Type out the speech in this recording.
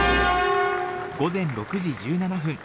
午前６時１７分